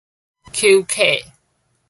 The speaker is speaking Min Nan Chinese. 休憩